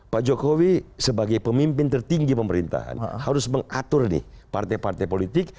pak jokowi sebagai pemimpin tertinggi pemerintahan harus mengatur nih partai partai politik